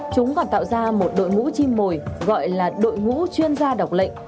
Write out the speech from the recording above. chúng còn tạo ra một đội ngũ chim mồi gọi là đội ngũ chuyên gia đọc lệnh